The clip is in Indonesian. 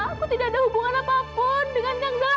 aku tidak ada hubungan apapun dengan yang jalan